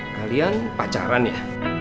kalian pacaran ya